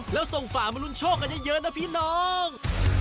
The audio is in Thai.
แล้วส่งฝ่ามารุนโชคกันเยอะนะพี่น้อง